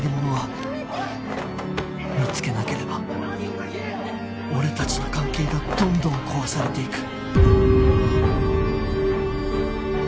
見つけなければ俺たちの関係がどんどん壊されていく